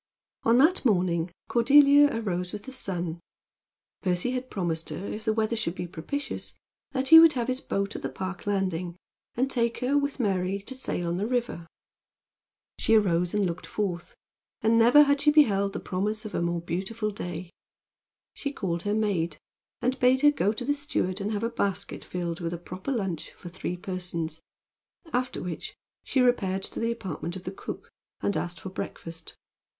On that morning Cordelia arose with the sun. Percy had promised her, if the weather should be propitious, that he would have his boat at the Park landing, and take her, with Mary, to sail on the river. She arose and looked forth; and never had she beheld the promise of a more beautiful day. She called her maid, and bade her go to the steward and have a basket filled with a proper lunch for three persons, after which she repaired to the apartment of the cook and asked for breakfast.